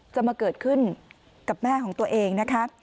จะมาเกิดขึ้นกับแม่ของตัวเองนะคะ